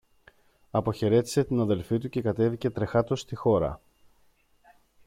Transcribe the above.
Αποχαιρέτησε την αδελφή του και κατέβηκε τρεχάτος στη χώρα.